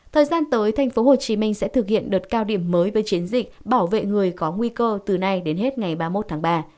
thời gian tới tp hcm sẽ thực hiện đợt cao điểm mới với chiến dịch bảo vệ người có nguy cơ từ nay đến hết ngày ba mươi một tháng ba